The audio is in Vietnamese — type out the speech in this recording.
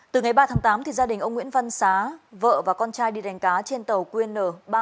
từ ngày ba tháng tám gia đình ông nguyễn văn xá vợ và con trai đi đánh cá trên tàu qn ba nghìn bốn trăm năm mươi bảy